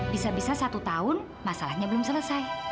bisa bisa satu tahun masalahnya belum selesai